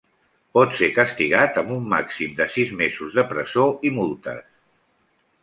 Pot ser castigat amb un màxim de sis mesos de presó i multes.